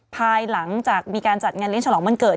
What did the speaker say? ภายหลังจากมีการจัดงานเลี้ยฉลองวันเกิด